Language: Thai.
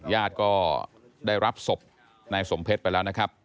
ญาติก็ได้รับศพนายสมเพชรไปแล้วนะครับ